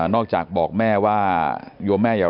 ลูกชายวัย๑๘ขวบบวชหน้าไฟให้กับพุ่งชนจนเสียชีวิตแล้วนะครับ